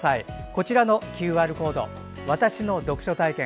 こちらのＱＲコード「わたしの読書体験」